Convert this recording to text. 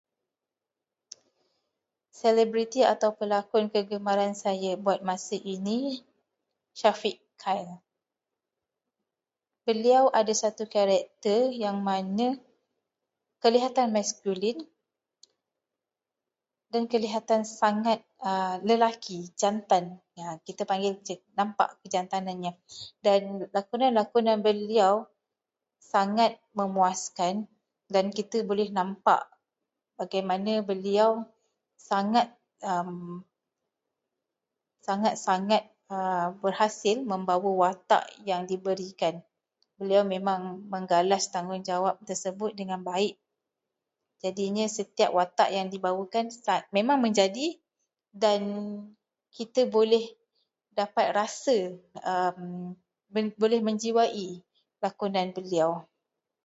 Selebriti atau pelakon kegemaran saya buat masa kini adalah Syafiq Kyle. Beliau ada satu karakter yang mana kelihatan maskulin, dan kelihatan sangat lelaki, jantan. Kita panggil nampak kejantanannya, dan lakonan-lakonan beliau sangat memuaskan dan kita boleh nampak bagaimana beliau sangat sangat-sangat berhasil membawa watak yang diberikan. Beliau memang menggalas tanggungjawab tersebut dengan baik. Jadinya, setiap watak yang dibawakan memang menjadi dan kita boleh dapat rasa- boleh menjiwai lakonan beliau.